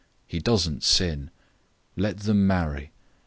He doesn't sin. Let them marry.